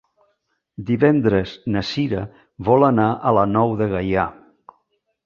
Divendres na Sira vol anar a la Nou de Gaià.